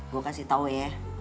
gue kasih tau ya